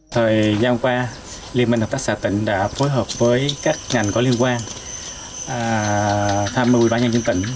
trời gian qua liên minh hợp tác xã tỉnh đã phối hợp với các ngành có liên quan tham mưu bà nhân dân tỉnh